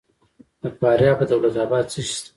د فاریاب په دولت اباد کې څه شی شته؟